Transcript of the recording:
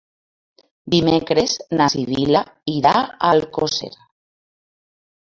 Dimecres na Sibil·la irà a Alcosser.